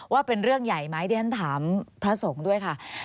ว่าเป็นเรื่องใหญ่ไหมที่ฉันถามพระสงฆ์ด้วยค่ะ